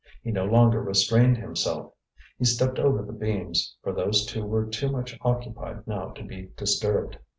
He no longer restrained himself; he stepped over the beams, for those two were too much occupied now to be disturbed.